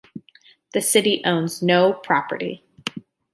The city owns no property.